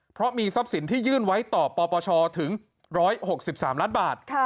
เพราะมีทรัพย์สินที่ยื่นไว้ต่อปปชถึง๑๖๓ล้านบาท